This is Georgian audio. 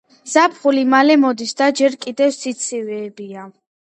ზაფხული მალე მოდის და ჯერ კიდევ სიცივეებია